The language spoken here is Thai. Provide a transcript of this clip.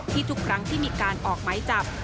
ทุกครั้งที่มีการออกไม้จับ